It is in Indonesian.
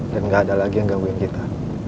dan gak ada lagi yang gangguin kita